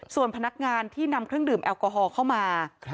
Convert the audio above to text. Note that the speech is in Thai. ส่วนพนักงานที่นำเครื่องดื่มแอลกอฮอล์เข้ามา